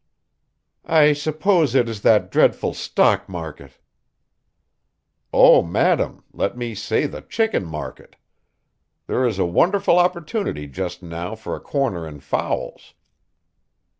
"I suppose it is that dreadful stock market." "Oh, madam, let me say the chicken market. There is a wonderful opportunity just now for a corner in fowls."